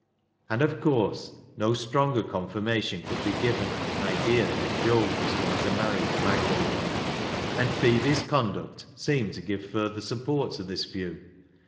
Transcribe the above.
And, of course, no stronger confirmation could be given of the idea that Job was going to marry the mangle woman. And Phebe's conduct seemed to give further support to this view.